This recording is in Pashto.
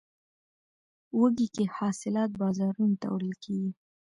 وږی کې حاصلات بازارونو ته وړل کیږي.